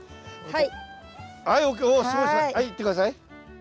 はいいって下さい。